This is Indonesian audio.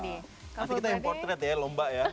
nanti kita yang portrait ya lomba ya